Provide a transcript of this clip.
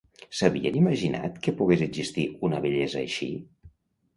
S'havien imaginat que pogués existir una bellesa així?